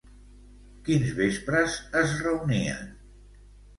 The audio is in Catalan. Quins vespres es reunien?